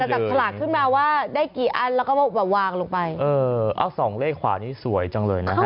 จับฉลากขึ้นมาว่าได้กี่อันแล้วก็แบบวางลงไปเออเอาสองเลขขวานี้สวยจังเลยนะฮะ